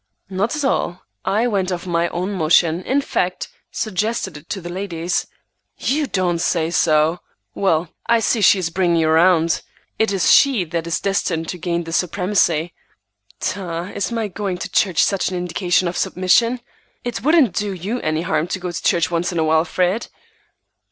"Not at all. I went of my own motion; in fact, suggested it to the ladies." "You don't say so! Well, I see she is bringing you around. It is she that is destined to gain the supremacy." "Pshaw! Is my going to church such an indication of submission? It wouldn't do you any harm to go to church once in a while, Fred."